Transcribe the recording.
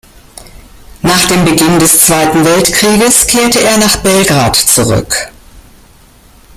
Nach dem Beginn des Zweiten Weltkrieges kehrte er nach Belgrad zurück.